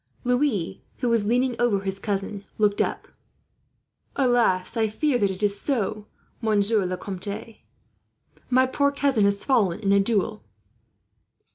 Louis, who was leaning over his cousin, looked up. "Alas! I fear that it is so, Monsieur le Comte. My poor cousin has fallen in a duel."